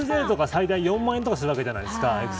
最大４万円とかするわけじゃないですか。